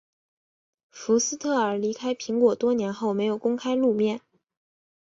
福斯特尔离开苹果多年后没有公开露面。